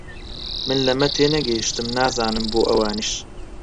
من لەمە تێنەگەیشتم، نازانم بۆ ئەوانیش